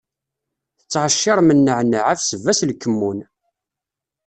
Tettɛecciṛem nneɛneɛ, abesbas, lkemmun.